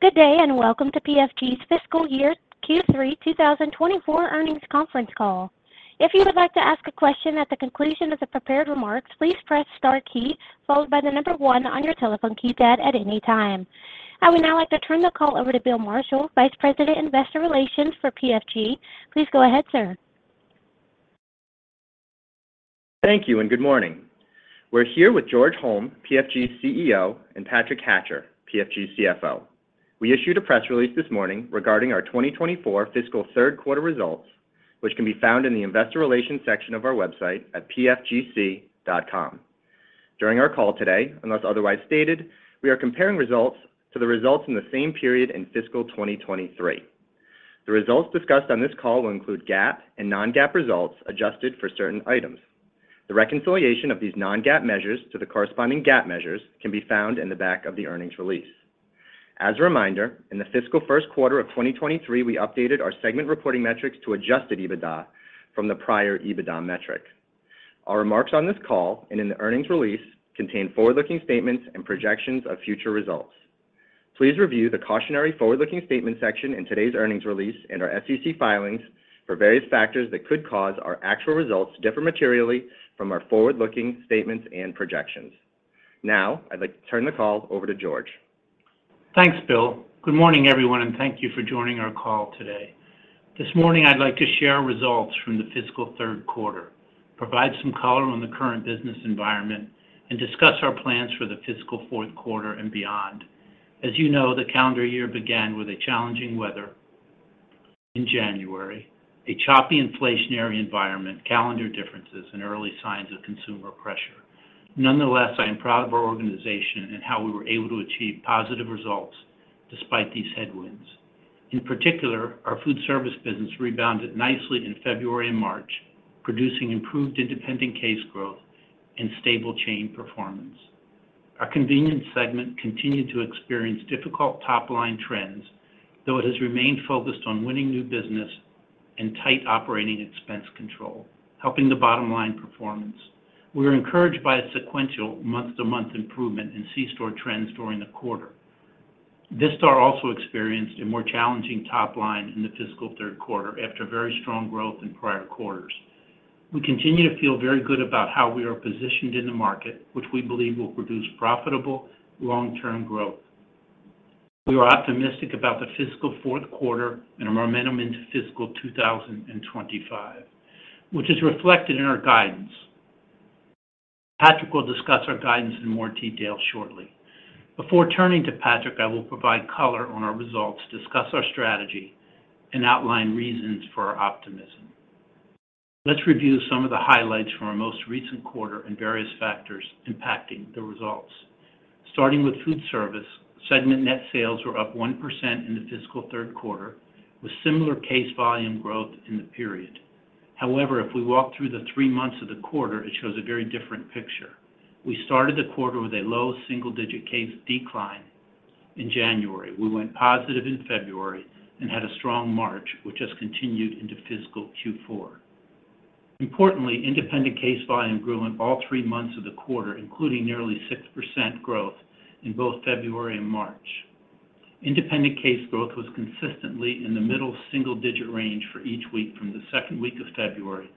Good day and welcome to PFG's fiscal year Q3 2024 earnings conference call. If you would like to ask a question at the conclusion of the prepared remarks, please press star key followed by the number 1 on your telephone keypad at any time. I would now like to turn the call over to Bill Marshall, Vice President Investor Relations for PFG. Please go ahead, sir. Thank you and good morning. We're here with George Holm, PFG CEO, and Patrick Hatcher, PFG CFO. We issued a press release this morning regarding our 2024 fiscal third quarter results, which can be found in the Investor Relations section of our website at pfgc.com. During our call today, unless otherwise stated, we are comparing results to the results in the same period in fiscal 2023. The results discussed on this call will include GAAP and Non-GAAP results adjusted for certain items. The reconciliation of these Non-GAAP measures to the corresponding GAAP measures can be found in the back of the earnings release. As a reminder, in the fiscal first quarter of 2023, we updated our segment reporting metrics to Adjusted EBITDA from the prior EBITDA metric. Our remarks on this call and in the earnings release contain forward-looking statements and projections of future results. Please review the cautionary forward-looking statements section in today's earnings release and our SEC filings for various factors that could cause our actual results to differ materially from our forward-looking statements and projections. Now I'd like to turn the call over to George. Thanks, Bill. Good morning, everyone, and thank you for joining our call today. This morning I'd like to share results from the fiscal third quarter, provide some color on the current business environment, and discuss our plans for the fiscal fourth quarter and beyond. As you know, the calendar year began with a challenging weather in January, a choppy inflationary environment, calendar differences, and early signs of consumer pressure. Nonetheless, I am proud of our organization and how we were able to achieve positive results despite these headwinds. In particular, our foodservice business rebounded nicely in February and March, producing improved independent case growth and stable chain performance. Our convenience segment continued to experience difficult top-line trends, though it has remained focused on winning new business and tight operating expense control, helping the bottom-line performance. We are encouraged by a sequential month-to-month improvement in C-Store trends during the quarter. Vistar also experienced a more challenging top-line in the fiscal third quarter after very strong growth in prior quarters. We continue to feel very good about how we are positioned in the market, which we believe will produce profitable long-term growth. We are optimistic about the fiscal fourth quarter and our momentum into fiscal 2025, which is reflected in our guidance. Patrick will discuss our guidance in more detail shortly. Before turning to Patrick, I will provide color on our results, discuss our strategy, and outline reasons for our optimism. Let's review some of the highlights from our most recent quarter and various factors impacting the results. Starting with Foodservice, segment net sales were up 1% in the fiscal third quarter with similar case volume growth in the period. However, if we walk through the three months of the quarter, it shows a very different picture. We started the quarter with a low single-digit case decline in January. We went positive in February and had a strong March, which has continued into fiscal Q4. Importantly, independent case volume grew in all three months of the quarter, including nearly 6% growth in both February and March. Independent case growth was consistently in the middle single-digit range for each week from the second week of February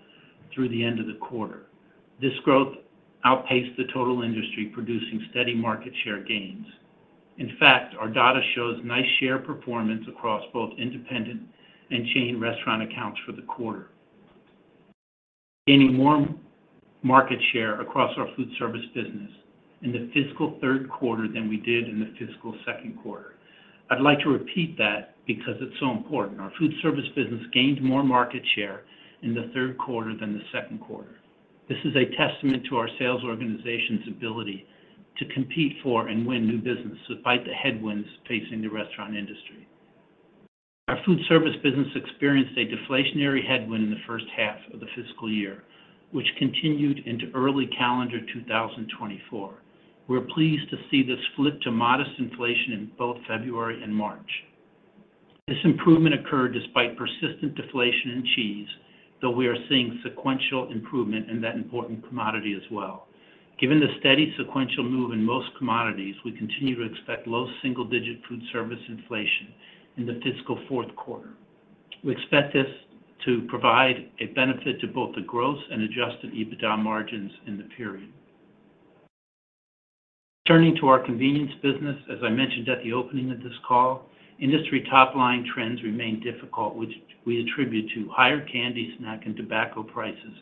through the end of the quarter. This growth outpaced the total industry, producing steady market share gains. In fact, our data shows nice share performance across both independent and chain restaurant accounts for the quarter, gaining more market share across our foodservice business in the fiscal third quarter than we did in the fiscal second quarter. I'd like to repeat that because it's so important. Our foodservice business gained more market share in the third quarter than the second quarter. This is a testament to our sales organization's ability to compete for and win new business despite the headwinds facing the restaurant industry. Our foodservice business experienced a deflationary headwind in the first half of the fiscal year, which continued into early calendar 2024. We're pleased to see this flip to modest inflation in both February and March. This improvement occurred despite persistent deflation in cheese, though we are seeing sequential improvement in that important commodity as well. Given the steady sequential move in most commodities, we continue to expect low single-digit foodservice inflation in the fiscal fourth quarter. We expect this to provide a benefit to both the gross and adjusted EBITDA margins in the period. Turning to our convenience business, as I mentioned at the opening of this call, industry top-line trends remain difficult, which we attribute to higher candy, snack, and tobacco prices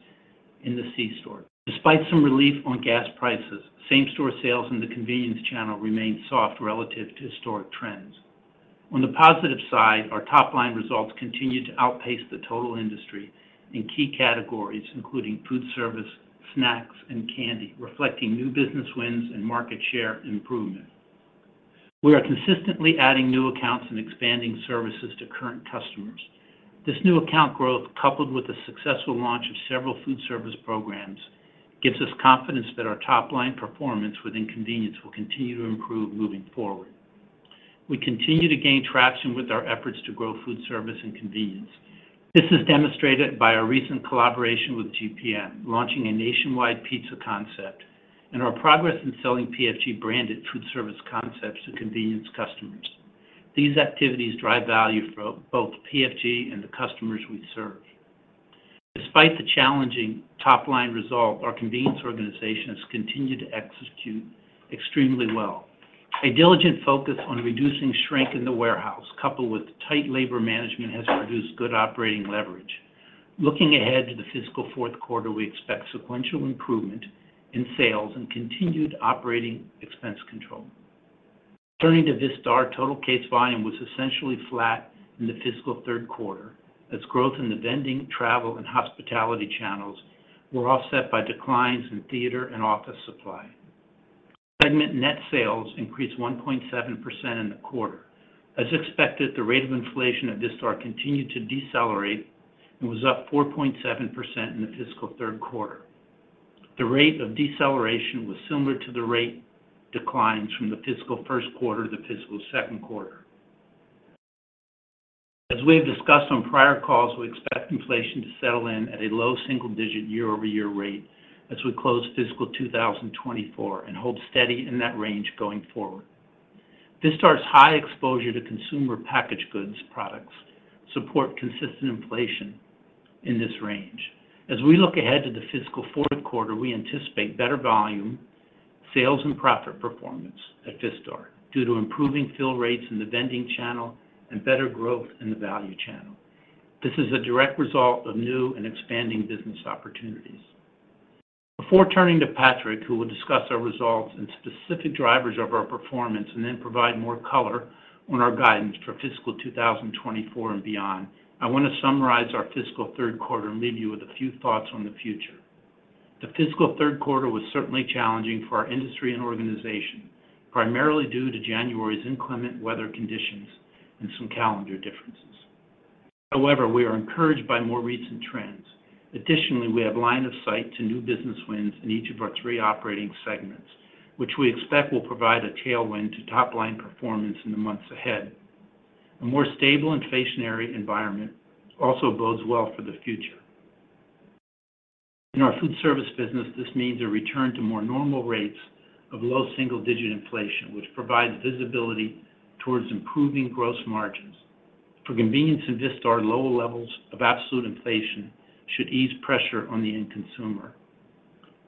in the C-Store. Despite some relief on gas prices, same-store sales in the convenience channel remain soft relative to historic trends. On the positive side, our top-line results continue to outpace the total industry in key categories, including foodservice, snacks, and candy, reflecting new business wins and market share improvement. We are consistently adding new accounts and expanding services to current customers. This new account growth, coupled with the successful launch of several foodservice programs, gives us confidence that our top-line performance within convenience will continue to improve moving forward. We continue to gain traction with our efforts to grow foodservice and convenience. This is demonstrated by our recent collaboration with GPM, launching a nationwide pizza concept, and our progress in selling PFG-branded foodservice concepts to convenience customers. These activities drive value for both PFG and the customers we serve. Despite the challenging top-line result, our convenience organization has continued to execute extremely well. A diligent focus on reducing shrink in the warehouse, coupled with tight labor management, has produced good operating leverage. Looking ahead to the fiscal fourth quarter, we expect sequential improvement in sales and continued operating expense control. Turning to Vistar, total case volume was essentially flat in the fiscal third quarter as growth in the vending, travel, and hospitality channels were offset by declines in theater and office supply. Segment net sales increased 1.7% in the quarter. As expected, the rate of inflation at Vistar continued to decelerate and was up 4.7% in the fiscal third quarter. The rate of deceleration was similar to the rate declines from the fiscal first quarter to the fiscal second quarter. As we have discussed on prior calls, we expect inflation to settle in at a low single-digit year-over-year rate as we close fiscal 2024 and hold steady in that range going forward. Vistar's high exposure to consumer packaged goods products support consistent inflation in this range. As we look ahead to the fiscal fourth quarter, we anticipate better volume, sales, and profit performance at Vistar due to improving fill rates in the vending channel and better growth in the value channel. This is a direct result of new and expanding business opportunities. Before turning to Patrick, who will discuss our results and specific drivers of our performance and then provide more color on our guidance for fiscal 2024 and beyond, I want to summarize our fiscal third quarter and leave you with a few thoughts on the future. The fiscal third quarter was certainly challenging for our industry and organization, primarily due to January's inclement weather conditions and some calendar differences. However, we are encouraged by more recent trends. Additionally, we have line of sight to new business wins in each of our three operating segments, which we expect will provide a tailwind to top-line performance in the months ahead. A more stable inflationary environment also bodes well for the future. In our foodservice business, this means a return to more normal rates of low single-digit inflation, which provides visibility towards improving gross margins. For convenience in Vistar, lower levels of absolute inflation should ease pressure on the end consumer.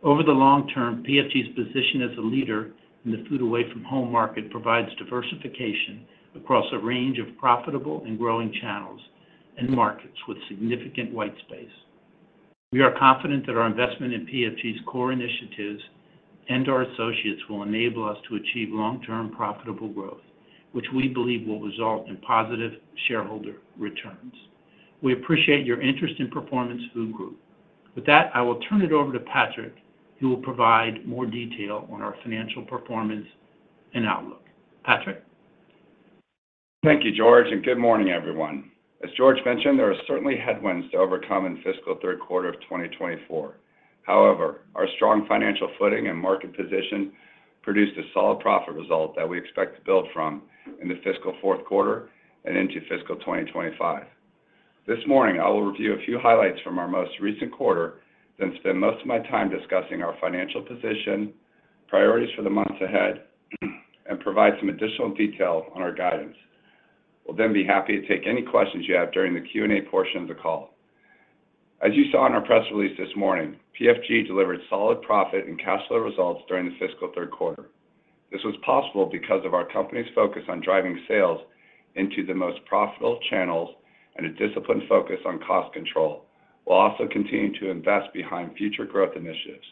Over the long term, PFG's position as a leader in the food away-from-home market provides diversification across a range of profitable and growing channels and markets with significant white space. We are confident that our investment in PFG's core initiatives and our associates will enable us to achieve long-term profitable growth, which we believe will result in positive shareholder returns. We appreciate your interest in Performance Food Group. With that, I will turn it over to Patrick, who will provide more detail on our financial performance and outlook. Patrick? Thank you, George, and good morning, everyone. As George mentioned, there are certainly headwinds to overcome in fiscal third quarter of 2024. However, our strong financial footing and market position produced a solid profit result that we expect to build from in the fiscal fourth quarter and into fiscal 2025. This morning, I will review a few highlights from our most recent quarter, then spend most of my time discussing our financial position, priorities for the months ahead, and provide some additional detail on our guidance. We'll then be happy to take any questions you have during the Q&A portion of the call. As you saw in our press release this morning, PFG delivered solid profit and cash flow results during the fiscal third quarter. This was possible because of our company's focus on driving sales into the most profitable channels and a disciplined focus on cost control, while also continuing to invest behind future growth initiatives.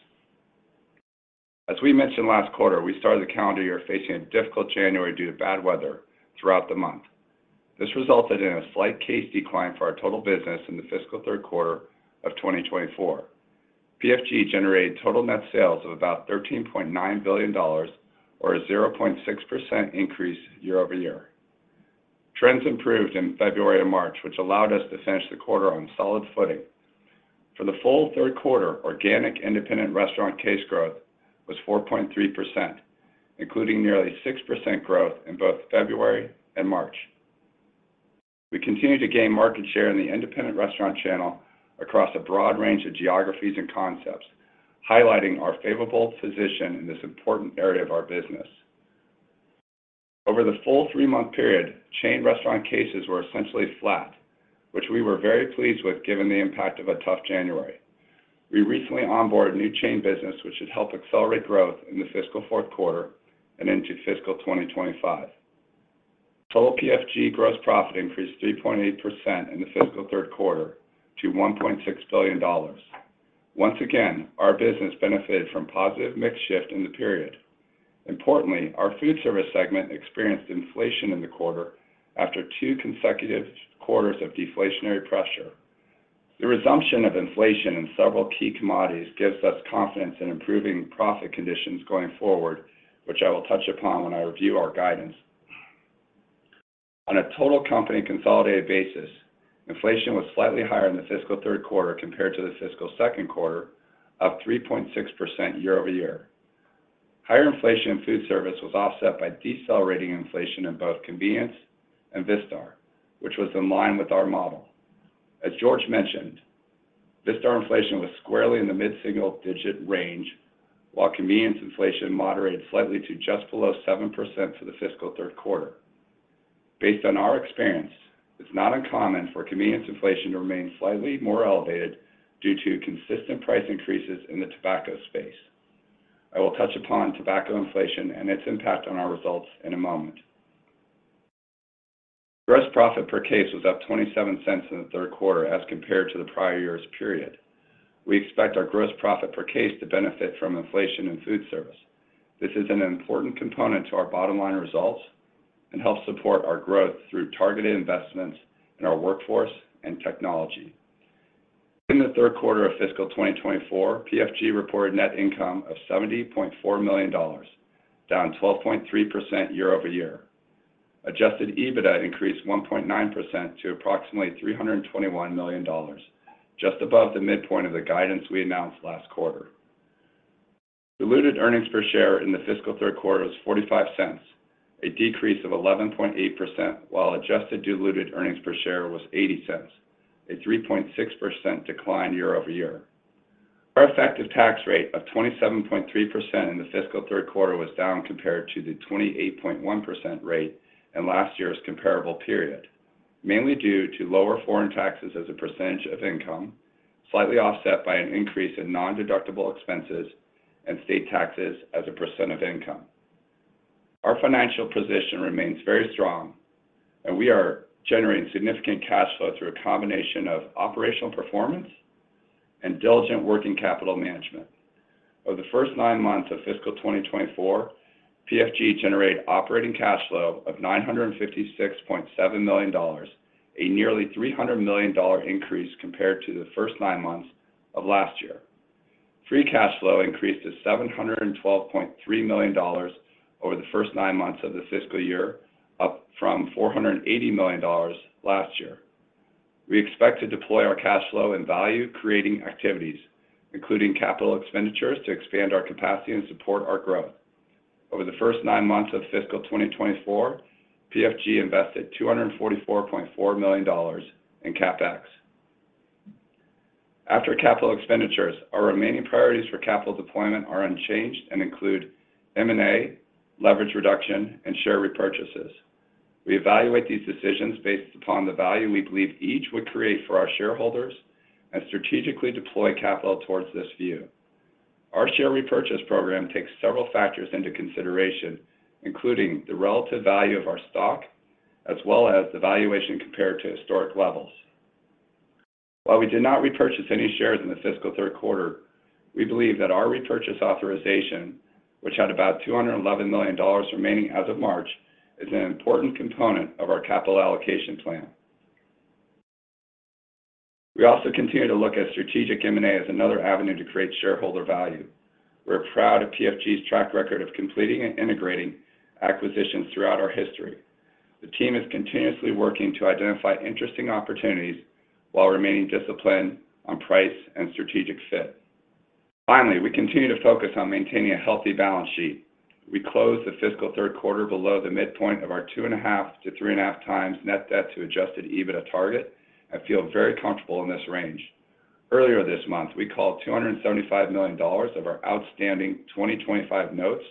As we mentioned last quarter, we started the calendar year facing a difficult January due to bad weather throughout the month. This resulted in a slight case decline for our total business in the fiscal third quarter of 2024. PFG generated total net sales of about $13.9 billion, or a 0.6% increase year-over-year. Trends improved in February and March, which allowed us to finish the quarter on solid footing. For the full third quarter, organic independent restaurant case growth was 4.3%, including nearly 6% growth in both February and March. We continue to gain market share in the independent restaurant channel across a broad range of geographies and concepts, highlighting our favorable position in this important area of our business. Over the full three-month period, chain restaurant cases were essentially flat, which we were very pleased with given the impact of a tough January. We recently onboarded new chain business, which should help accelerate growth in the fiscal fourth quarter and into fiscal 2025. Total PFG gross profit increased 3.8% in the fiscal third quarter to $1.6 billion. Once again, our business benefited from positive mix shift in the period. Importantly, our foodservice segment experienced inflation in the quarter after two consecutive quarters of deflationary pressure. The resumption of inflation in several key commodities gives us confidence in improving profit conditions going forward, which I will touch upon when I review our guidance. On a total company consolidated basis, inflation was slightly higher in the fiscal third quarter compared to the fiscal second quarter, up 3.6% year-over-year. Higher inflation in foodservice was offset by decelerating inflation in both convenience and Vistar, which was in line with our model. As George mentioned, Vistar inflation was squarely in the mid-single-digit range, while convenience inflation moderated slightly to just below 7% for the fiscal third quarter. Based on our experience, it's not uncommon for convenience inflation to remain slightly more elevated due to consistent price increases in the tobacco space. I will touch upon tobacco inflation and its impact on our results in a moment. Gross profit per case was up $0.27 in the third quarter as compared to the prior year's period. We expect our gross profit per case to benefit from inflation in foodservice. This is an important component to our bottom-line results and helps support our growth through targeted investments in our workforce and technology. In the third quarter of fiscal 2024, PFG reported net income of $70.4 million, down 12.3% year-over-year. Adjusted EBITDA increased 1.9% to approximately $321 million, just above the midpoint of the guidance we announced last quarter. Diluted earnings per share in the fiscal third quarter was $0.45, a decrease of 11.8%, while adjusted diluted earnings per share was $0.80, a 3.6% decline year-over-year. Our effective tax rate of 27.3% in the fiscal third quarter was down compared to the 28.1% rate in last year's comparable period, mainly due to lower foreign taxes as a percentage of income, slightly offset by an increase in non-deductible expenses, and state taxes as a percent of income. Our financial position remains very strong, and we are generating significant cash flow through a combination of operational performance and diligent working capital management. Over the first nine months of fiscal 2024, PFG generated operating cash flow of $956.7 million, a nearly $300 million increase compared to the first nine months of last year. Free cash flow increased to $712.3 million over the first nine months of the fiscal year, up from $480 million last year. We expect to deploy our cash flow in value-creating activities, including capital expenditures, to expand our capacity and support our growth. Over the first nine months of fiscal 2024, PFG invested $244.4 million in CapEx. After capital expenditures, our remaining priorities for capital deployment are unchanged and include M&A, leverage reduction, and share repurchases. We evaluate these decisions based upon the value we believe each would create for our shareholders and strategically deploy capital towards this view. Our share repurchase program takes several factors into consideration, including the relative value of our stock as well as the valuation compared to historic levels. While we did not repurchase any shares in the fiscal third quarter, we believe that our repurchase authorization, which had about $211 million remaining as of March, is an important component of our capital allocation plan. We also continue to look at strategic M&A as another avenue to create shareholder value. We are proud of PFG's track record of completing and integrating acquisitions throughout our history. The team is continuously working to identify interesting opportunities while remaining disciplined on price and strategic fit. Finally, we continue to focus on maintaining a healthy balance sheet. We closed the fiscal third quarter below the midpoint of our 2.5-3.5 times net debt to Adjusted EBITDA target and feel very comfortable in this range. Earlier this month, we called $275 million of our outstanding 2025 notes,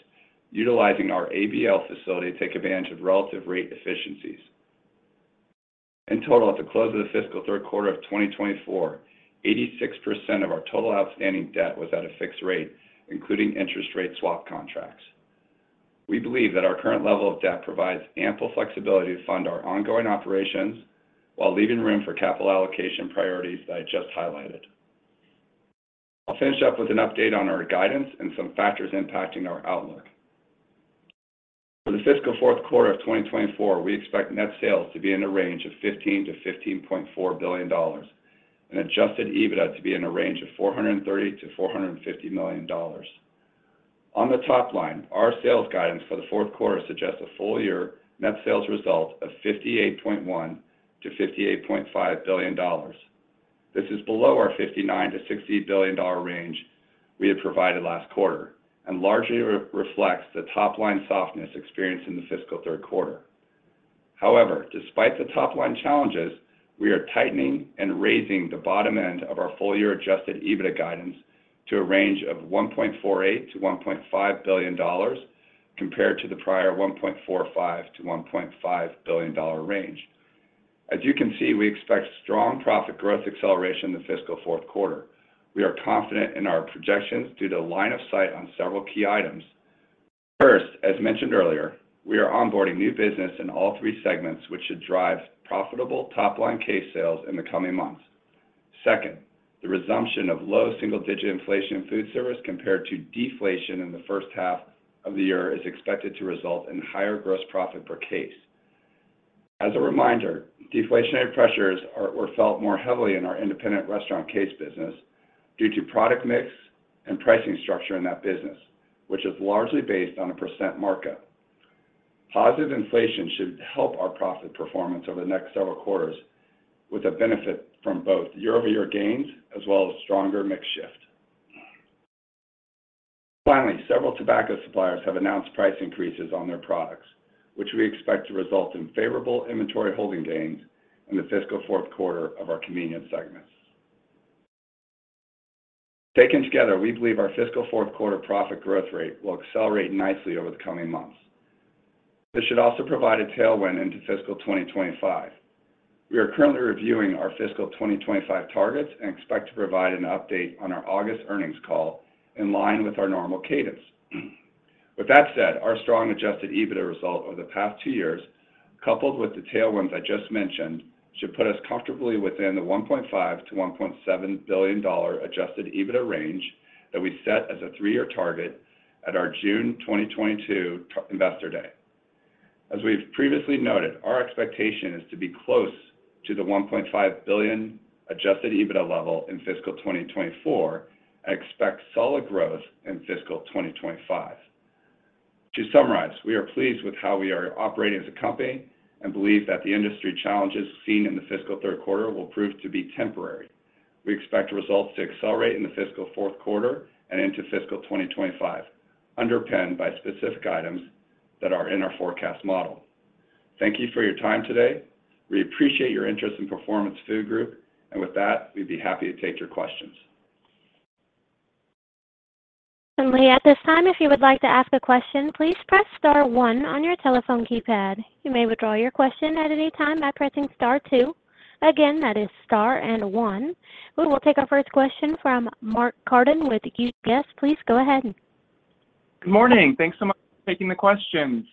utilizing our ABL facility to take advantage of relative rate efficiencies. In total, at the close of the fiscal third quarter of 2024, 86% of our total outstanding debt was at a fixed rate, including interest rate swap contracts. We believe that our current level of debt provides ample flexibility to fund our ongoing operations while leaving room for capital allocation priorities that I just highlighted. I'll finish up with an update on our guidance and some factors impacting our outlook. For the fiscal fourth quarter of 2024, we expect net sales to be in the range of $15 billion-$15.4 billion and adjusted EBITDA to be in the range of $430 million-$450 million. On the top line, our sales guidance for the fourth quarter suggests a full-year net sales result of $58.1 billion-$58.5 billion. This is below our $59 billion-$60 billion range we had provided last quarter and largely reflects the top-line softness experienced in the fiscal third quarter. However, despite the top-line challenges, we are tightening and raising the bottom end of our full-year adjusted EBITDA guidance to a range of $1.48 billion-$1.5 billion compared to the prior $1.45 billion-$1.5 billion range. As you can see, we expect strong profit growth acceleration in the fiscal fourth quarter. We are confident in our projections due to line of sight on several key items. First, as mentioned earlier, we are onboarding new business in all three segments, which should drive profitable top-line case sales in the coming months. Second, the resumption of low single-digit inflation in foodservice compared to deflation in the first half of the year is expected to result in higher gross profit per case. As a reminder, deflationary pressures were felt more heavily in our independent restaurant case business due to product mix and pricing structure in that business, which is largely based on a % markup. Positive inflation should help our profit performance over the next several quarters with a benefit from both year-over-year gains as well as stronger mix shift. Finally, several tobacco suppliers have announced price increases on their products, which we expect to result in favorable inventory holding gains in the fiscal fourth quarter of our convenience segments. Taken together, we believe our fiscal fourth quarter profit growth rate will accelerate nicely over the coming months. This should also provide a tailwind into fiscal 2025. We are currently reviewing our fiscal 2025 targets and expect to provide an update on our August earnings call in line with our normal cadence. With that said, our strong adjusted EBITDA result over the past two years, coupled with the tailwinds I just mentioned, should put us comfortably within the $1.5 million-$1.7 billion adjusted EBITDA range that we set as a three-year target at our June 2022 Investor Day. As we've previously noted, our expectation is to be close to the $1.5 billion adjusted EBITDA level in fiscal 2024 and expect solid growth in fiscal 2025. To summarize, we are pleased with how we are operating as a company and believe that the industry challenges seen in the fiscal third quarter will prove to be temporary. We expect results to accelerate in the fiscal fourth quarter and into fiscal 2025, underpinned by specific items that are in our forecast model. Thank you for your time today. We appreciate your interest in Performance Food Group, and with that, we'd be happy to take your questions. And Lee, at this time, if you would like to ask a question, please press star one on your telephone keypad. You may withdraw your question at any time by pressing star two. Again, that is star and one. We will take our first question from Mark Carden with UBS. Please go ahead and. Good morning. Thanks so much for taking the questions.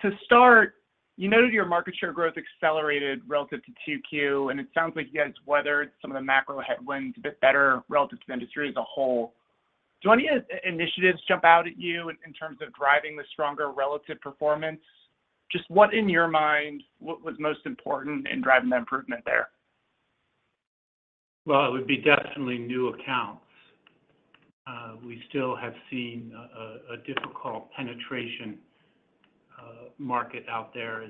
To start, you noted your market share growth accelerated relative to QQ, and it sounds like you guys weathered some of the macro headwinds a bit better relative to the industry as a whole. Do any initiatives jump out at you in terms of driving the stronger relative performance? Just what, in your mind, was most important in driving that improvement there? Well, it would be definitely new accounts. We still have seen a difficult penetration market out there.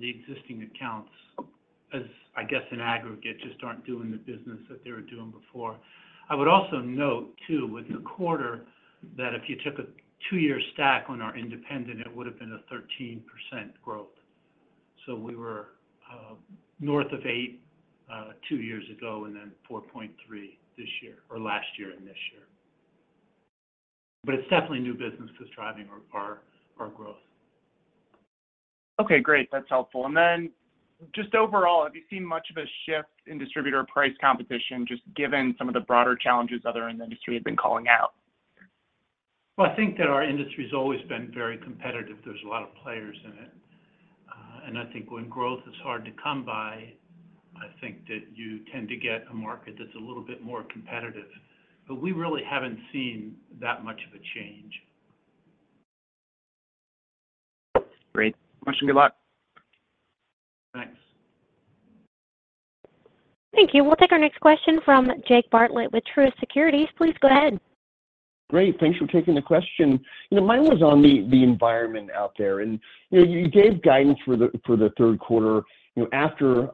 The existing accounts, as I guess an aggregate, just aren't doing the business that they were doing before. I would also note, too, with the quarter that if you took a two-year stack on our independent, it would have been a 13% growth. So we were north of eight, two years ago and then 4.3 this year or last year and this year. But it's definitely new business that's driving our growth. Okay. Great. That's helpful. And then just overall, have you seen much of a shift in distributor price competition, just given some of the broader challenges other in the industry have been calling out? Well, I think that our industry has always been very competitive. There's a lot of players in it. I think when growth is hard to come by, I think that you tend to get a market that's a little bit more competitive. But we really haven't seen that much of a change. Great. Question. Good luck. Thanks. Thank you. We'll take our next question from Jake Bartlett with Truist Securities. Please go ahead. Great. Thanks for taking the question. Mine was on the environment out there. You gave guidance for the third quarter after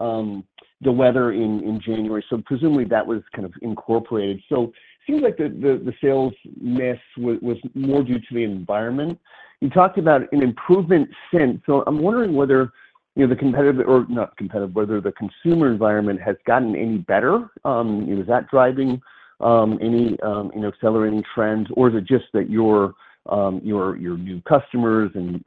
the weather in January. Presumably, that was kind of incorporated. It seems like the sales miss was more due to the environment. You talked about an improvement since. I'm wondering whether the competitive or not competitive, whether the consumer environment has gotten any better. Is that driving any accelerating trends, or is it just that your new customers and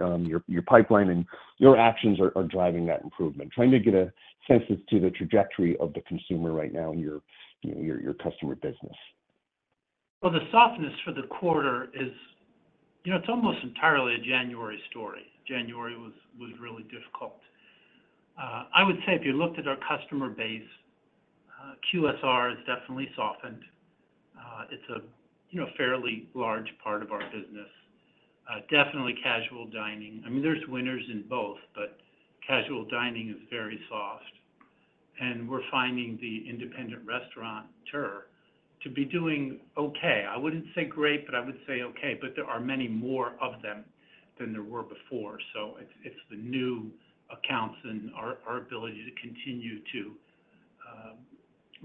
your pipeline and your actions are driving that improvement? Trying to get a sense as to the trajectory of the consumer right now in your customer business. Well, the softness for the quarter, it's almost entirely a January story. January was really difficult. I would say if you looked at our customer base, QSR is definitely softened. It's a fairly large part of our business. Definitely casual dining. I mean, there's winners in both, but casual dining is very soft. And we're finding the independent restaurateur to be doing okay. I wouldn't say great, but I would say okay. But there are many more of them than there were before. So it's the new accounts and our ability to continue to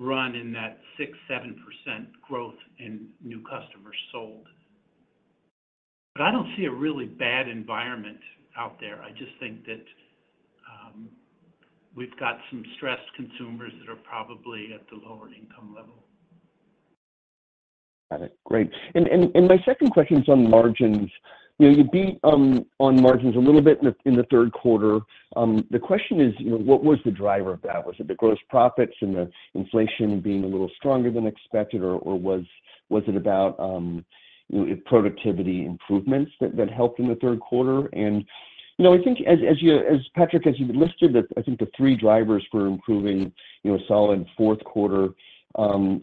run in that 6%-7% growth in new customers sold. But I don't see a really bad environment out there. I just think that we've got some stressed consumers that are probably at the lower income level. Got it. Great. My second question is on margins. You beat on margins a little bit in the third quarter. The question is, what was the driver of that? Was it the gross profits and the inflation being a little stronger than expected, or was it about productivity improvements that helped in the third quarter? I think, Patrick, as you listed, I think the three drivers for improving a solid fourth quarter,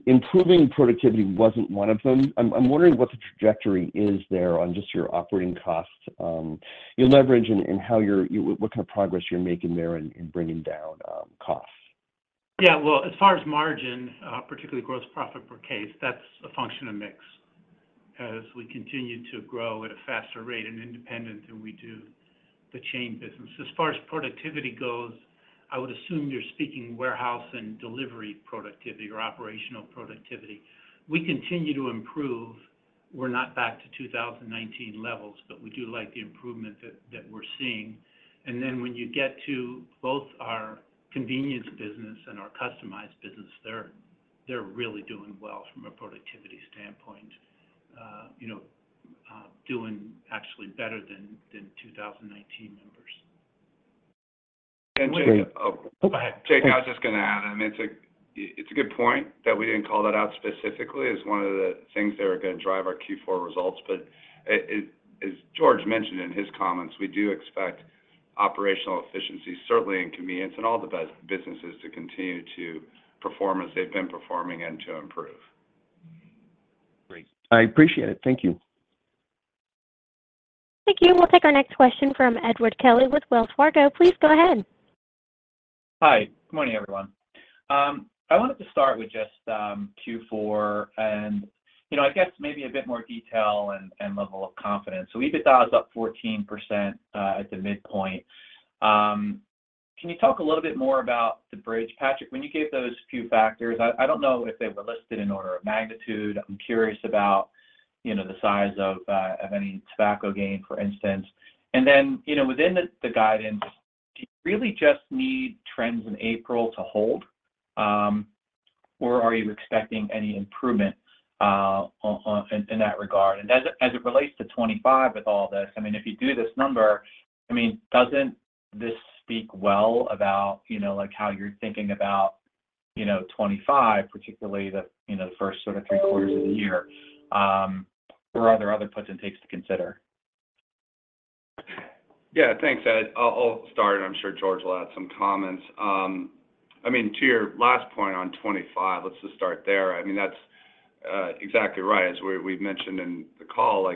improving productivity wasn't one of them. I'm wondering what the trajectory is there on just your operating costs, your leverage, and what kind of progress you're making there in bringing down costs. Yeah. Well, as far as margin, particularly gross profit per case, that's a function of mix. As we continue to grow at a faster rate and independent than we do the chain business. As far as productivity goes, I would assume you're speaking warehouse and delivery productivity or operational productivity. We continue to improve. We're not back to 2019 levels, but we do like the improvement that we're seeing. And then when you get to both our convenience business and our customized business, they're really doing well from a productivity standpoint, doing actually better than 2019 members. And Jake. Oh, go ahead. Jake, I was just going to add. I mean, it's a good point that we didn't call that out specifically as one of the things that are going to drive our Q4 results. But as George mentioned in his comments, we do expect operational efficiency, certainly in convenience and all the businesses, to continue to perform as they've been performing and to improve. Great. I appreciate it. Thank you. Thank you. We'll take our next question from Edward Kelly with Wells Fargo. Please go ahead. Hi. Good morning, everyone. I wanted to start with just Q4 and I guess maybe a bit more detail and level of confidence. So EBITDA is up 14% at the midpoint. Can you talk a little bit more about the bridge? Patrick, when you gave those few factors, I don't know if they were listed in order of magnitude. I'm curious about the size of any tobacco gain, for instance. And then within the guidance, do you really just need trends in April to hold, or are you expecting any improvement in that regard? And as it relates to 2025 with all this, I mean, if you do this number, I mean, doesn't this speak well about how you're thinking about 2025, particularly the first sort of three quarters of the year, or are there other puts and takes to consider? Yeah. Thanks, Ed. I'll start, and I'm sure George will add some comments. I mean, to your last point on 2025, let's just start there. I mean, that's exactly right. As we've mentioned in the call,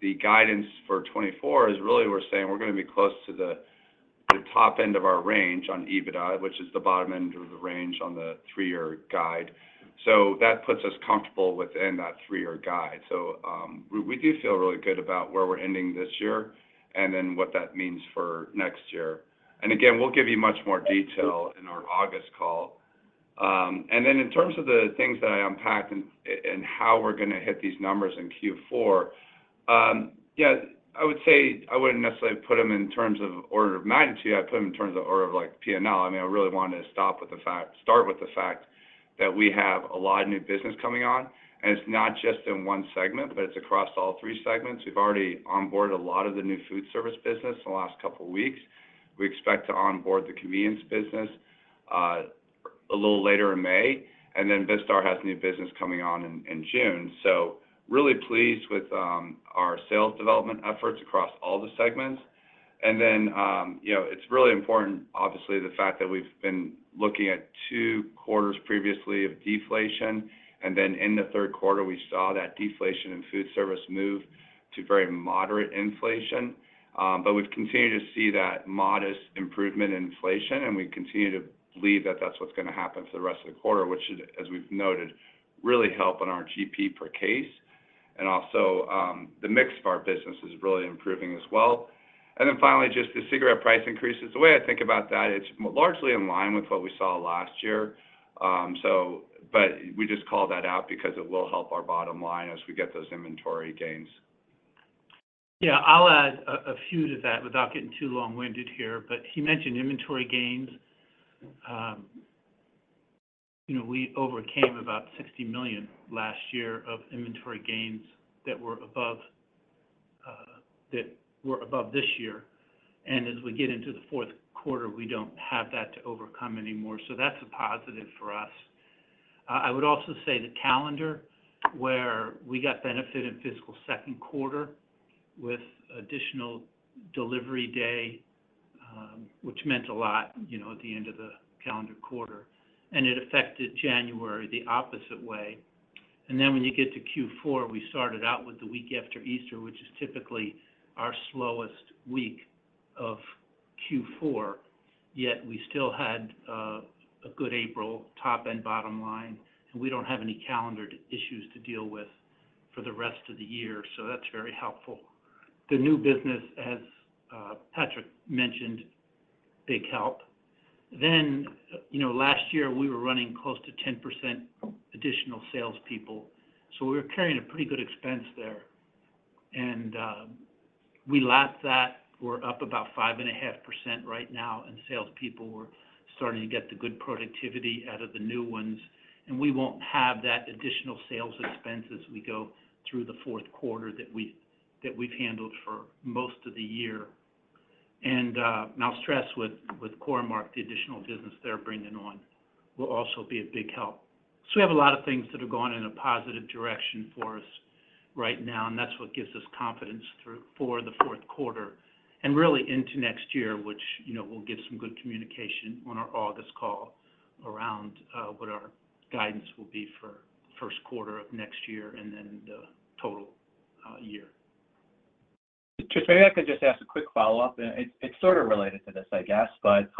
the guidance for 2024 is really we're saying we're going to be close to the top end of our range on EBITDA, which is the bottom end of the range on the three-year guide. So that puts us comfortable within that three-year guide. So we do feel really good about where we're ending this year and then what that means for next year. And again, we'll give you much more detail in our August call. And then in terms of the things that I unpacked and how we're going to hit these numbers in Q4, yeah, I would say I wouldn't necessarily put them in terms of order of magnitude. I'd put them in terms of order of P&L. I mean, I really wanted to start with the fact that we have a lot of new business coming on. And it's not just in one segment, but it's across all three segments. We've already onboarded a lot of the new Foodservice business in the last couple of weeks. We expect to onboard the Convenience business a little later in May. And then Vistar has new business coming on in June. So really pleased with our sales development efforts across all the segments. And then it's really important, obviously, the fact that we've been looking at two quarters previously of deflation. And then in the third quarter, we saw that deflation in Foodservice move to very moderate inflation. But we've continued to see that modest improvement in inflation, and we continue to believe that that's what's going to happen for the rest of the quarter, which should, as we've noted, really help on our GP per case. And also, the mix of our business is really improving as well. And then finally, just the cigarette price increases. The way I think about that, it's largely in line with what we saw last year. But we just call that out because it will help our bottom line as we get those inventory gains. Yeah. I'll add a few to that without getting too long-winded here. But he mentioned inventory gains. We overcame about $60 million last year of inventory gains that were above this year. And as we get into the fourth quarter, we don't have that to overcome anymore. So that's a positive for us. I would also say the calendar where we got benefit in fiscal second quarter with additional delivery day, which meant a lot at the end of the calendar quarter. And it affected January the opposite way. And then when you get to Q4, we started out with the week after Easter, which is typically our slowest week of Q4. Yet we still had a good April top-end bottom line, and we don't have any calendar issues to deal with for the rest of the year. So that's very helpful. The new business, as Patrick mentioned, big help. Then last year, we were running close to 10% additional salespeople. So we were carrying a pretty good expense there. And we lapped that. We're up about 5.5% right now, and salespeople were starting to get the good productivity out of the new ones. And we won't have that additional sales expense as we go through the fourth quarter that we've handled for most of the year. And I'll stress with Core-Mark, the additional business they're bringing on will also be a big help. So we have a lot of things that are going in a positive direction for us right now, and that's what gives us confidence for the fourth quarter and really into next year, which will give some good communication on our August call around what our guidance will be for first quarter of next year and then the total year. Just maybe I could just ask a quick follow-up. It's sort of related to this, I guess, but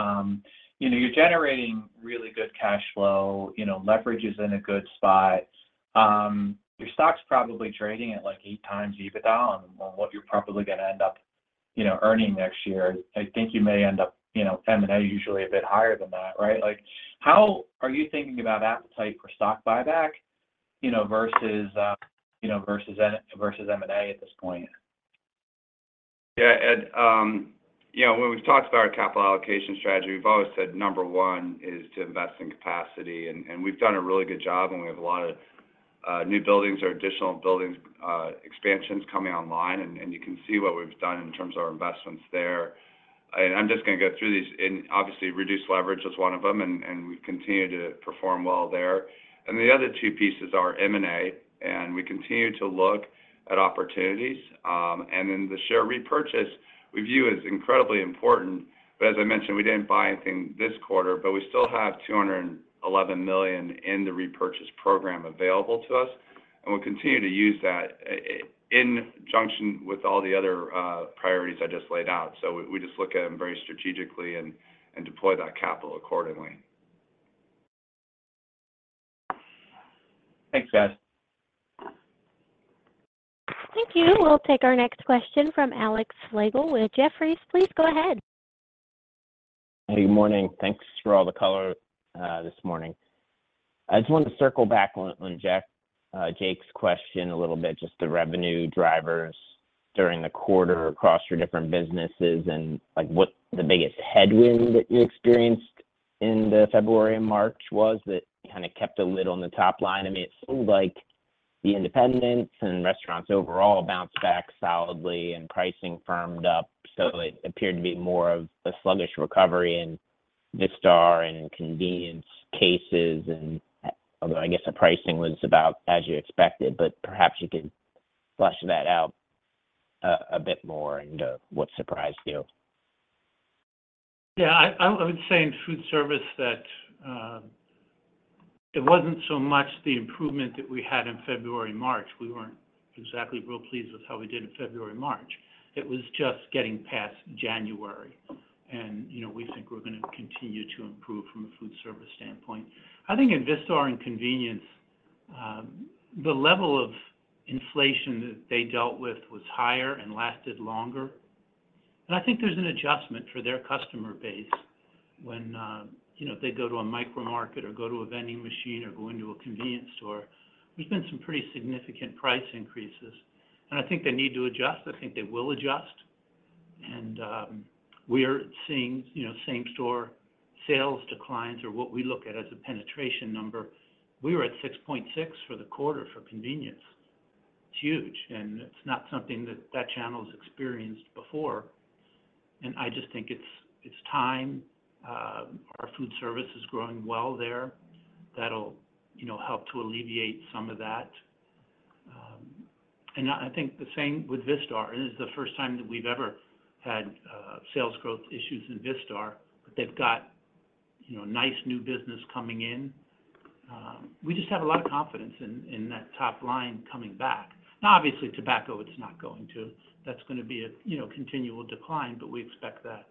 you're generating really good cash flow. Leverage is in a good spot. Your stock's probably trading at like 8x EBITDA on what you're probably going to end up earning next year. I think you may end up M&A usually a bit higher than that, right? How are you thinking about appetite for stock buyback versus M&A at this point? Yeah. Ed, when we've talked about our capital allocation strategy, we've always said number one is to invest in capacity. We've done a really good job, and we have a lot of new buildings or additional building expansions coming online. You can see what we've done in terms of our investments there. I'm just going to go through these. Obviously, reduced leverage is one of them, and we've continued to perform well there. The other two pieces are M&A. We continue to look at opportunities. The share repurchase, we view as incredibly important. But as I mentioned, we didn't buy anything this quarter, but we still have $211 million in the repurchase program available to us. We'll continue to use that in conjunction with all the other priorities I just laid out. We just look at them very strategically and deploy that capital accordingly. Thanks, guys. Thank you. We'll take our next question from Alex Slagle with Jefferies. Please go ahead. Hey, good morning. Thanks for all the color this morning. I just wanted to circle back on Jake's question a little bit, just the revenue drivers during the quarter across your different businesses and what the biggest headwind that you experienced in February and March was that kind of kept a lid on the top line. I mean, it seemed like the independents and restaurants overall bounced back solidly and pricing firmed up. So it appeared to be more of a sluggish recovery in Vistar and convenience cases, although I guess the pricing was about as you expected. But perhaps you could flesh that out a bit more and what surprised you. Yeah. I would say in Foodservice that it wasn't so much the improvement that we had in February and March. We weren't exactly real pleased with how we did in February and March. It was just getting past January. And we think we're going to continue to improve from a Foodservice standpoint. I think in Vistar and Convenience, the level of inflation that they dealt with was higher and lasted longer. And I think there's an adjustment for their customer base when they go to a micro-market or go to a vending machine or go into a convenience store. There's been some pretty significant price increases. And I think they need to adjust. I think they will adjust. And we are seeing same-store sales declines, or what we look at as a penetration number. We were at 6.6 for the quarter for Convenience. It's huge. And it's not something that that channel's experienced before. And I just think it's time. Our foodservice is growing well there. That'll help to alleviate some of that. And I think the same with Vistar. It is the first time that we've ever had sales growth issues in Vistar, but they've got nice new business coming in. We just have a lot of confidence in that top line coming back. Now, obviously, tobacco, it's not going to. That's going to be a continual decline, but we expect that.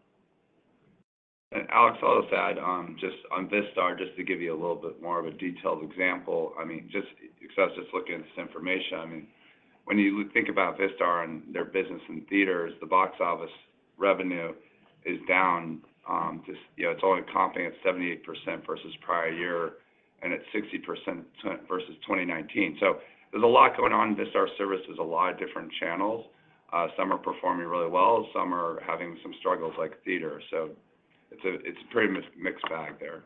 And Alex, I'll just add just on Vistar, just to give you a little bit more of a detailed example. I mean, because I was just looking at this information, I mean, when you think about Vistar and their business in theaters, the box office revenue is down. It's only comping at 78% versus prior year and at 60% versus 2019. So there's a lot going on in Vistar services, a lot of different channels. Some are performing really well. Some are having some struggles like theater. So it's a pretty mixed bag there.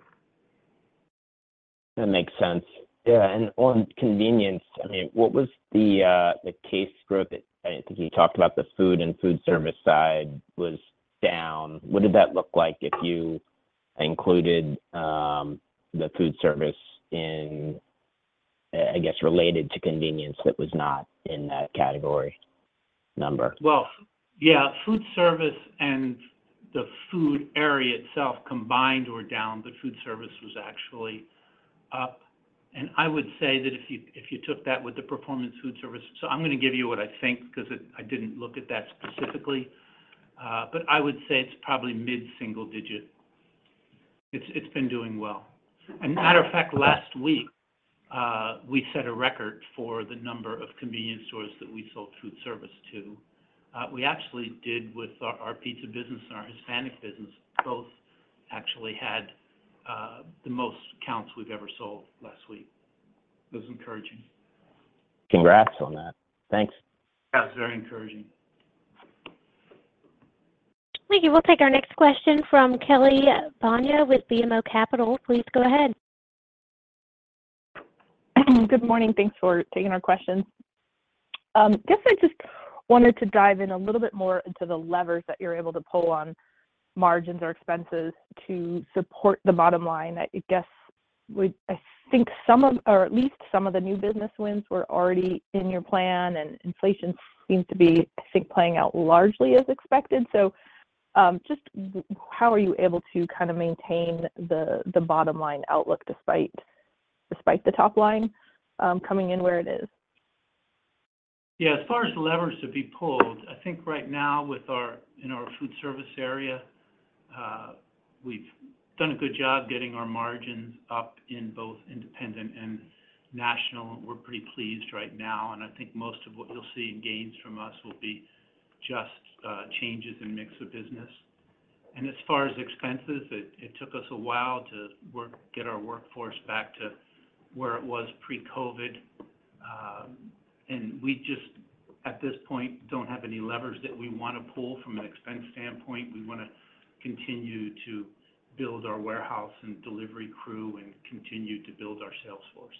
That makes sense. Yeah. And on convenience, I mean, what was the case growth that I think you talked about the food and foodservice side was down. What did that look like if you included the foodservice in, I guess, related to convenience that was not in that category number? Well, yeah, foodservice and the food area itself combined were down, but foodservice was actually up. And I would say that if you took that with the Performance Foodservice, so I'm going to give you what I think because I didn't look at that specifically. But I would say it's probably mid-single digit. It's been doing well. And as a matter of fact, last week, we set a record for the number of convenience stores that we sold foodservice to. We actually did with our pizza business and our Hispanic business, both actually had the most counts we've ever sold last week. It was encouraging. Congrats on that. Thanks. Yeah, it was very encouraging. Thank you. We'll take our next question from Kelly Bania with BMO Capital. Please go ahead. Good morning. Thanks for taking our questions. I guess I just wanted to dive in a little bit more into the levers that you're able to pull on margins or expenses to support the bottom line. I guess I think some of or at least some of the new business wins were already in your plan, and inflation seems to be, I think, playing out largely as expected. So just how are you able to kind of maintain the bottom line outlook despite the top line coming in where it is? Yeah. As far as levers to be pulled, I think right now in our foodservice area, we've done a good job getting our margins up in both independent and national. We're pretty pleased right now. I think most of what you'll see in gains from us will be just changes in mix of business. As far as expenses, it took us a while to get our workforce back to where it was pre-COVID. We just, at this point, don't have any levers that we want to pull from an expense standpoint. We want to continue to build our warehouse and delivery crew and continue to build our sales force.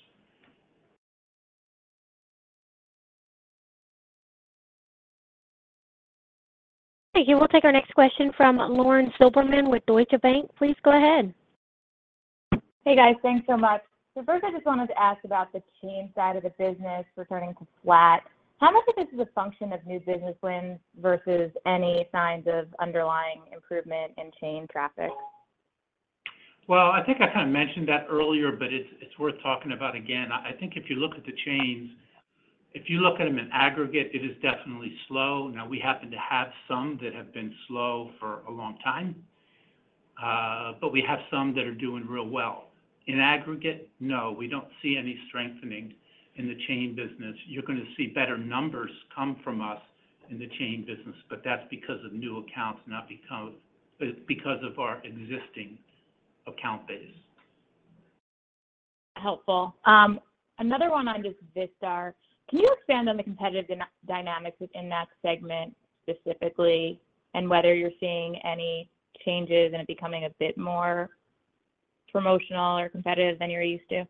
Thank you. We'll take our next question from Lauren Silberman with Deutsche Bank. Please go ahead. Hey, guys. Thanks so much. So first, I just wanted to ask about the chain side of the business returning to flat. How much of this is a function of new business wins versus any signs of underlying improvement in chain traffic? Well, I think I kind of mentioned that earlier, but it's worth talking about again. I think if you look at the chains, if you look at them in aggregate, it is definitely slow. Now, we happen to have some that have been slow for a long time, but we have some that are doing real well. In aggregate, no. We don't see any strengthening in the chain business. You're going to see better numbers come from us in the chain business, but that's because of new accounts, not because of our existing account base. Helpful. Another one on just Vistar. Can you expand on the competitive dynamics within that segment specifically and whether you're seeing any changes and it becoming a bit more promotional or competitive than you're used to?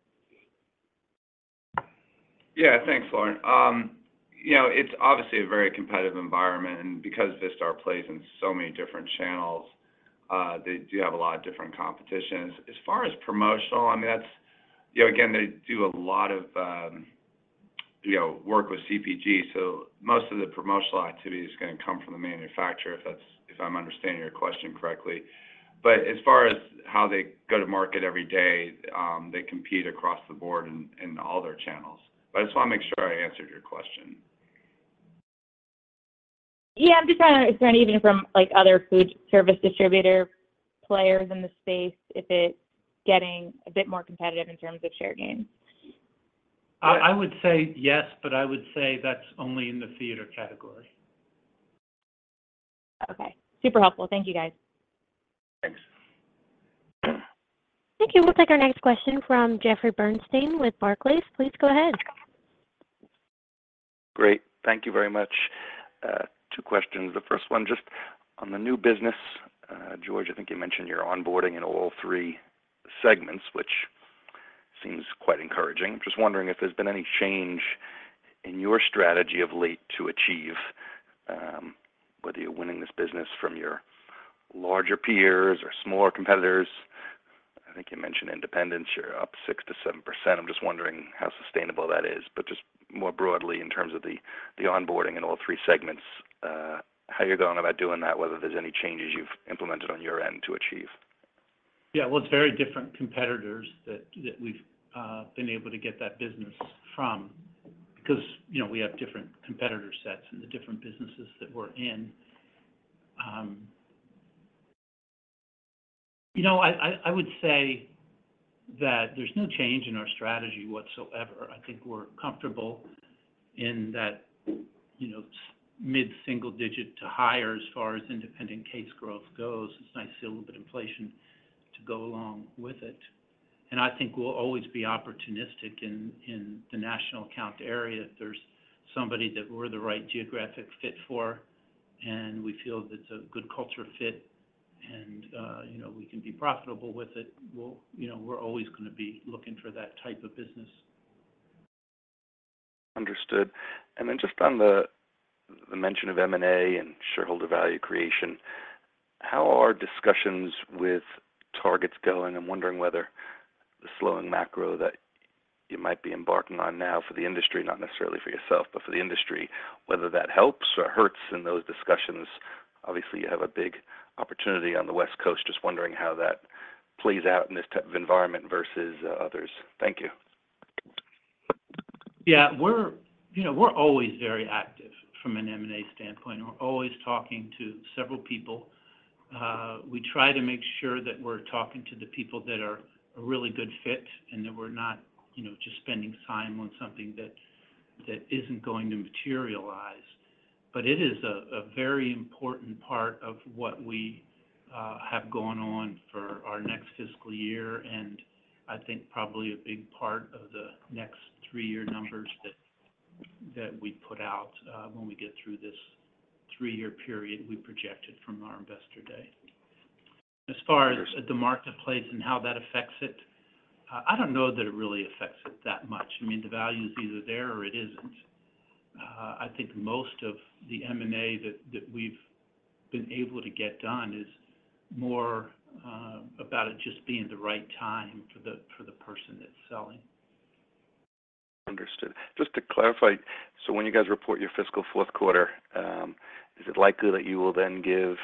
Yeah. Thanks, Lauren. It's obviously a very competitive environment. Because Vistar plays in so many different channels, they do have a lot of different competitions. As far as promotional, I mean, again, they do a lot of work with CPG. So most of the promotional activity is going to come from the manufacturer, if I'm understanding your question correctly. But as far as how they go to market every day, they compete across the board in all their channels. But I just want to make sure I answered your question. Yeah. I'm just trying to expand even from other foodservice distributor players in the space if it's getting a bit more competitive in terms of share gains? I would say yes, but I would say that's only in the theater category. Okay. Super helpful. Thank you, guys. Thanks. Thank you. We'll take our next question from Jeffrey Bernstein with Barclays. Please go ahead. Great. Thank you very much. Two questions. The first one, just on the new business, George, I think you mentioned you're onboarding in all three segments, which seems quite encouraging. I'm just wondering if there's been any change in your strategy of late to achieve, whether you're winning this business from your larger peers or smaller competitors. I think you mentioned independence. You're up 6%-7%. I'm just wondering how sustainable that is. But just more broadly in terms of the onboarding in all three segments, how you're going about doing that, whether there's any changes you've implemented on your end to achieve. Yeah. Well, it's very different competitors that we've been able to get that business from because we have different competitor sets and the different businesses that we're in. I would say that there's no change in our strategy whatsoever. I think we're comfortable in that mid-single digit to higher as far as independent case growth goes. It's nice to see a little bit of inflation to go along with it. And I think we'll always be opportunistic in the national account area. If there's somebody that we're the right geographic fit for and we feel that it's a good culture fit and we can be profitable with it, we're always going to be looking for that type of business. Understood. And then just on the mention of M&A and shareholder value creation, how are discussions with targets going? I'm wondering whether the slowing macro that you might be embarking on now for the industry, not necessarily for yourself, but for the industry, whether that helps or hurts in those discussions. Obviously, you have a big opportunity on the West Coast. Just wondering how that plays out in this type of environment versus others. Thank you. Yeah. We're always very active from an M&A standpoint. We're always talking to several people. We try to make sure that we're talking to the people that are a really good fit and that we're not just spending time on something that isn't going to materialize. But it is a very important part of what we have going on for our next fiscal year and I think probably a big part of the next three-year numbers that we put out when we get through this three-year period we projected from our investor day. As far as the marketplace and how that affects it, I don't know that it really affects it that much. I mean, the value's either there or it isn't. I think most of the M&A that we've been able to get done is more about it just being the right time for the person that's selling. Understood. Just to clarify, so when you guys report your fiscal fourth quarter, is it likely that you will then give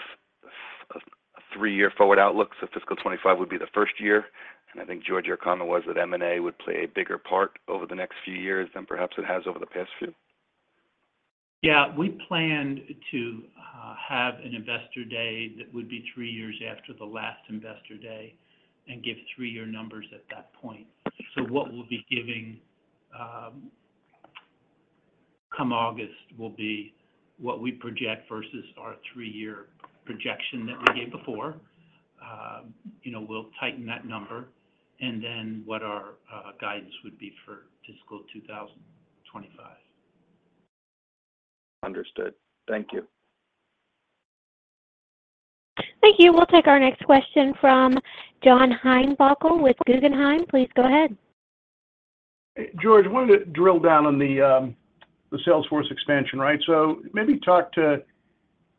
a three-year forward outlook? Fiscal 2025 would be the first year. I think, George, your comment was that M&A would play a bigger part over the next few years than perhaps it has over the past few? Yeah. We plan to have an investor day that would be 3 years after the last investor day and give three-year numbers at that point. So what we'll be giving come August will be what we project versus our three-year projection that we gave before. We'll tighten that number and then what our guidance would be for fiscal 2025. Understood. Thank you. Thank you. We'll take our next question from John Heinbockel with Guggenheim. Please go ahead. George, I wanted to drill down on the sales force expansion, right? So maybe talk to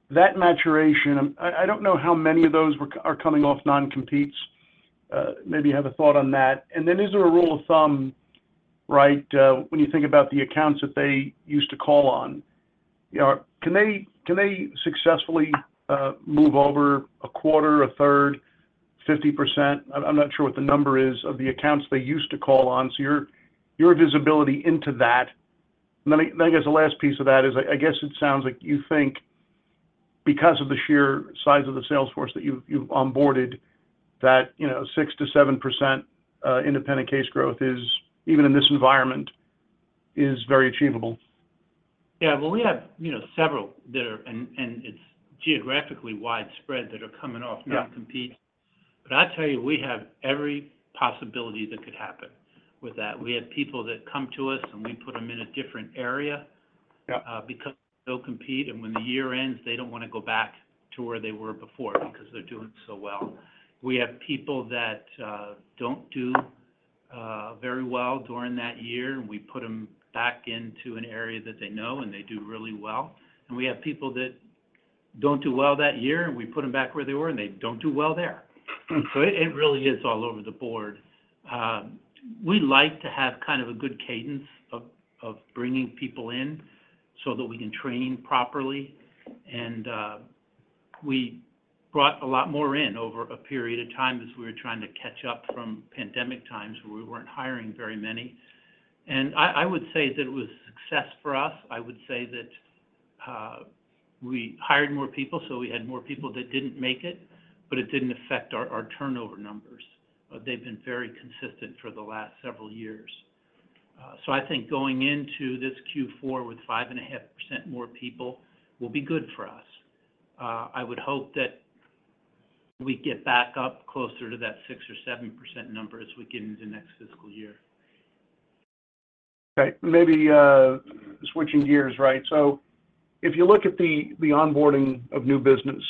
that maturation. I don't know how many of those are coming off non-competes. Maybe you have a thought on that. And then is there a rule of thumb, right, when you think about the accounts that they used to call on? Can they successfully move over a quarter, a third, 50%? I'm not sure what the number is of the accounts they used to call on. So your visibility into that. And then, I guess, the last piece of that is, I guess it sounds like you think because of the sheer size of the sales force that you've onboarded, that 6%-7% independent case growth, even in this environment, is very achievable. Yeah. Well, we have several that are, and it's geographically widespread, that are coming off non-compete. But I'll tell you, we have every possibility that could happen with that. We have people that come to us and we put them in a different area because they don't compete. And when the year ends, they don't want to go back to where they were before because they're doing so well. We have people that don't do very well during that year, and we put them back into an area that they know and they do really well. And we have people that don't do well that year, and we put them back where they were, and they don't do well there. So it really is all over the board. We like to have kind of a good cadence of bringing people in so that we can train properly. We brought a lot more in over a period of time as we were trying to catch up from pandemic times where we weren't hiring very many. I would say that it was a success for us. I would say that we hired more people, so we had more people that didn't make it, but it didn't affect our turnover numbers. They've been very consistent for the last several years. I think going into this Q4 with 5.5% more people will be good for us. I would hope that we get back up closer to that 6% or 7% number as we get into next fiscal year. Okay. Maybe switching gears, right? So if you look at the onboarding of new business,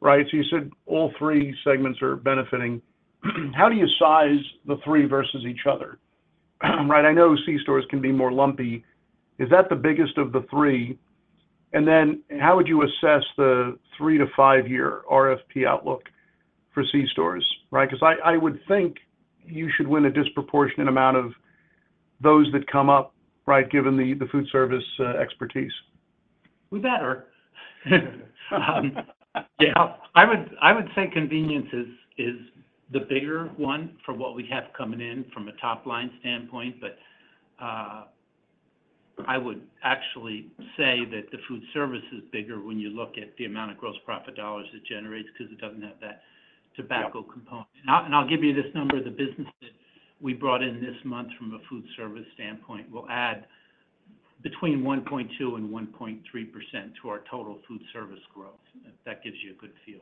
right, so you said all three segments are benefiting. How do you size the three versus each other, right? I know C-stores can be more lumpy. Is that the biggest of the three? And then how would you assess the three-to-five-year RFP outlook for C-stores, right? Because I would think you should win a disproportionate amount of those that come up, right, given the foodservice expertise. We're better. Yeah. I would say convenience is the bigger one for what we have coming in from a top-line standpoint. But I would actually say that the foodservice is bigger when you look at the amount of gross profit dollars it generates because it doesn't have that tobacco component. I'll give you this number. The business that we brought in this month from a foodservice standpoint will add between 1.2% and 1.3% to our total foodservice growth. That gives you a good feel.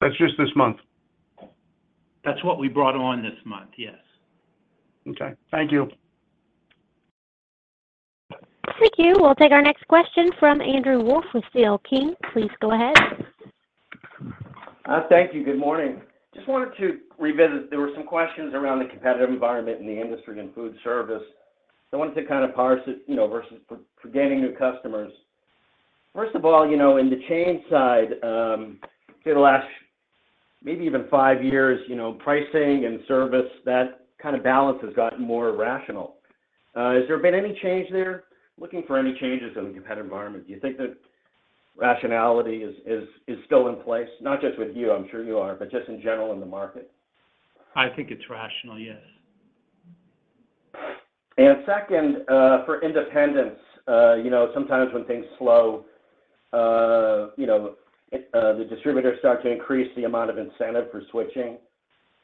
That's just this month? That's what we brought on this month. Yes. Okay. Thank you. Thank you. We'll take our next question from Andrew Wolf with C.L. King. Please go ahead. Thank you. Good morning. Just wanted to revisit. There were some questions around the competitive environment in the industry and foodservice. So I wanted to kind of parse it versus for gaining new customers. First of all, in the chain side, through the last maybe even five years, pricing and service, that kind of balance has gotten more rational. Has there been any change there? Looking for any changes in the competitive environment, do you think that rationality is still in place? Not just with you. I'm sure you are, but just in general in the market. I think it's rational. Yes. Second, for independents, sometimes when things slow, the distributors start to increase the amount of incentive for switching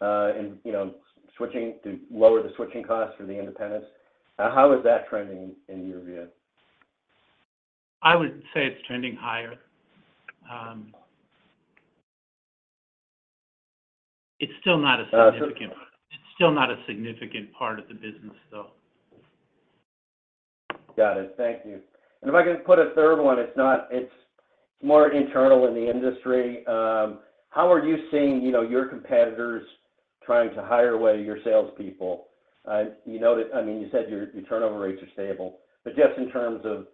to lower the switching costs for the independents. How is that trending in your view? I would say it's trending higher. It's still not a significant part of the business, though. Got it. Thank you. And if I can put a third one, it's more internal in the industry. How are you seeing your competitors trying to hire away your salespeople? I mean, you said your turnover rates are stable. But just in terms of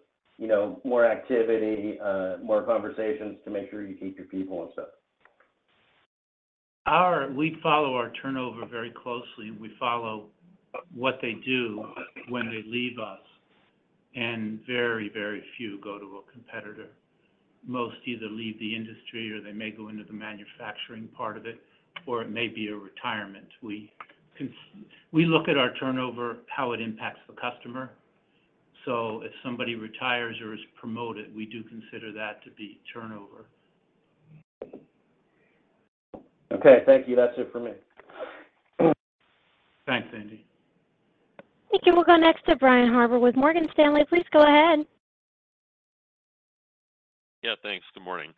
more activity, more conversations to make sure you keep your people and stuff. We follow our turnover very closely. We follow what they do when they leave us. Very, very few go to a competitor. Most either leave the industry or they may go into the manufacturing part of it, or it may be a retirement. We look at our turnover, how it impacts the customer. If somebody retires or is promoted, we do consider that to be turnover. Okay. Thank you. That's it for me. Thanks, Andy. Thank you. We'll go next to Brian Harbour with Morgan Stanley. Please go ahead. Yeah. Thanks. Good morning.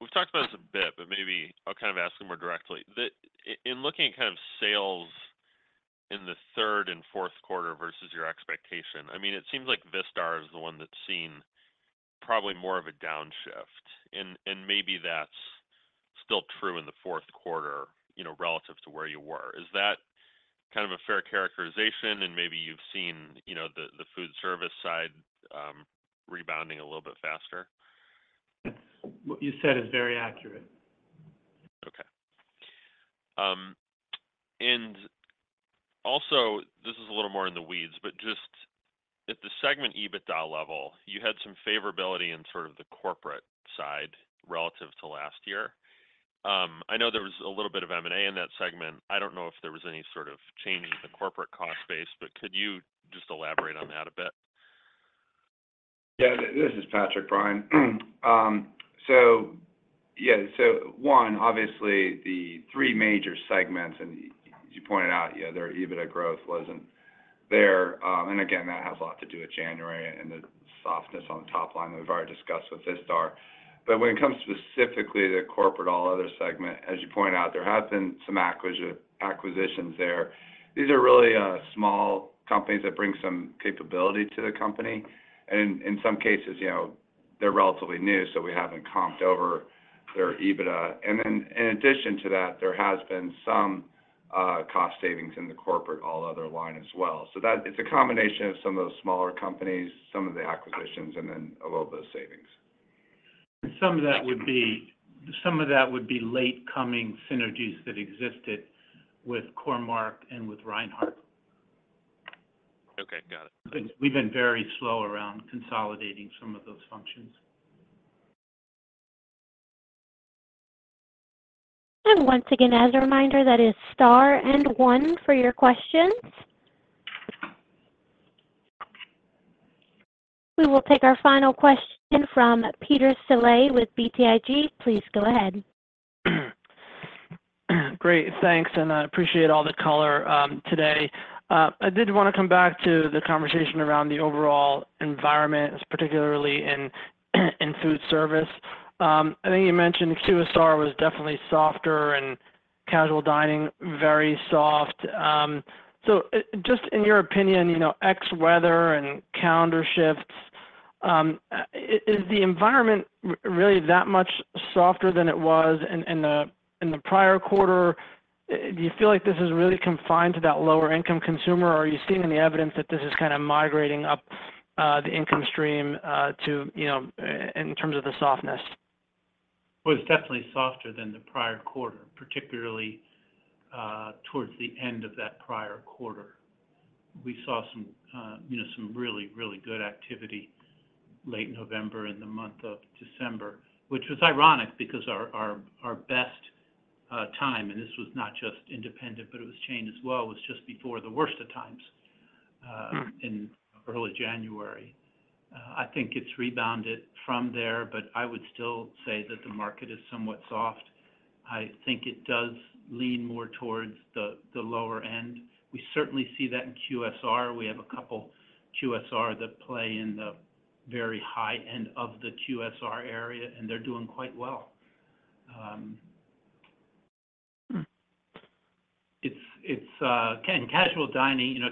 We've talked about this a bit, but maybe I'll kind of ask it more directly. In looking at kind of sales in the third and fourth quarter versus your expectation, I mean, it seems like Vistar is the one that's seen probably more of a downshift. And maybe that's still true in the fourth quarter relative to where you were. Is that kind of a fair characterization? And maybe you've seen the foodservice side rebounding a little bit faster. What you said is very accurate. Okay. Also, this is a little more in the weeds, but just at the segment EBITDA level, you had some favorability in sort of the corporate side relative to last year. I know there was a little bit of M&A in that segment. I don't know if there was any sort of change in the corporate cost base, but could you just elaborate on that a bit? Yeah. This is Patrick, Brian. So yeah. So one, obviously, the three major segments, and as you pointed out, their EBITDA growth wasn't there. And again, that has a lot to do with January and the softness on the top line that we've already discussed with Vistar. But when it comes specifically to the corporate all-other segment, as you point out, there have been some acquisitions there. These are really small companies that bring some capability to the company. And in some cases, they're relatively new, so we haven't comped over their EBITDA. And then in addition to that, there has been some cost savings in the corporate all-other line as well. So it's a combination of some of those smaller companies, some of the acquisitions, and then a little bit of savings. Some of that would be late-coming synergies that existed with Core-Mark and with Reinhart. Okay. Got it. We've been very slow around consolidating some of those functions. Once again, as a reminder, that is star and one for your questions. We will take our final question from Peter Saleh with BTIG. Please go ahead. Great. Thanks. I appreciate all the color today. I did want to come back to the conversation around the overall environment, particularly in foodservice. I think you mentioned QSR was definitely softer and casual dining, very soft. So just in your opinion, ex-weather and calendar shifts, is the environment really that much softer than it was in the prior quarter? Do you feel like this is really confined to that lower-income consumer, or are you seeing any evidence that this is kind of migrating up the income stream in terms of the softness? Well, it's definitely softer than the prior quarter, particularly towards the end of that prior quarter. We saw some really, really good activity late November in the month of December, which was ironic because our best time, and this was not just independent, but it was chained as well, was just before the worst of times in early January. I think it's rebounded from there, but I would still say that the market is somewhat soft. I think it does lean more towards the lower end. We certainly see that in QSR. We have a couple QSR that play in the very high end of the QSR area, and they're doing quite well.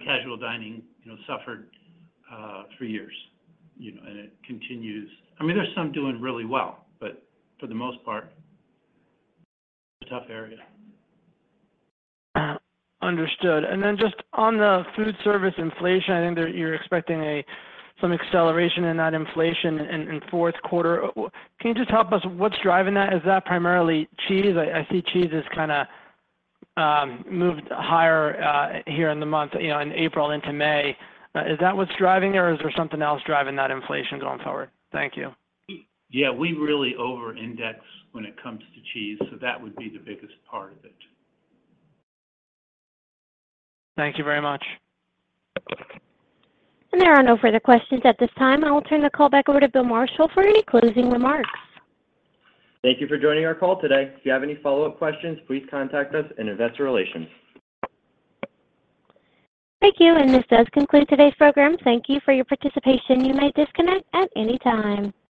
Casual dining suffered three years, and it continues. I mean, there's some doing really well, but for the most part, it's a tough area. Understood. Then just on the foodservice inflation, I think you're expecting some acceleration in that inflation in fourth quarter. Can you just help us? What's driving that? Is that primarily cheese? I see cheese has kind of moved higher here in the month, in April into May. Is that what's driving it, or is there something else driving that inflation going forward? Thank you. Yeah. We really over-index when it comes to cheese, so that would be the biggest part of it. Thank you very much. There are no further questions at this time. I will turn the call back over to Bill Marshall for any closing remarks. Thank you for joining our call today. If you have any follow-up questions, please contact us in Investor Relations. Thank you. This does conclude today's program. Thank you for your participation. You may disconnect at any time.